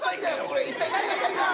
これ一体何がしたいんだ！